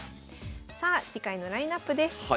さあ次回のラインナップです。